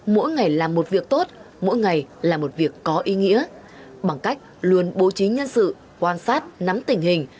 mỗi ngày làm một việc tốt mỗi ngày là một việc có ý nghĩa bằng cách luôn bố trí nhân sự quan sát nắm tình hình